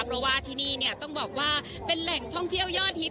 เพราะว่าที่นี่เนี่ยต้องบอกว่าเป็นแหล่งท่องเที่ยวยอดฮิต